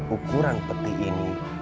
ukuran peti ini